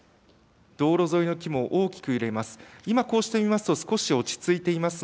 道路沿いの木も大きく揺れます。